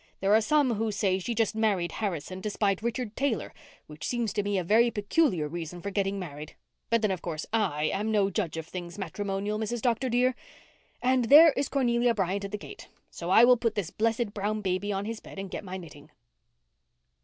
There are some who say she just married Harrison to spite Richard Taylor, which seems to me a very peculiar reason for getting married. But then, of course, I am no judge of things matrimonial, Mrs. Dr. dear. And there is Cornelia Bryant at the gate, so I will put this blessed brown baby on his bed and get my knitting."